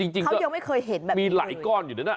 จริงมีหลายก้อนอยู่ด้วยนะ